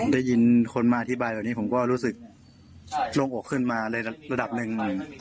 ได้ยินคนมาอธิบายแบบนี้ผมก็รู้สึกโล่งอกขึ้นมาในระดับหนึ่ง